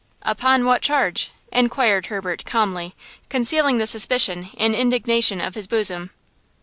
"Upon what charge?" inquired Herbert, calmly, concealing the suspicion and indignation of his bosom.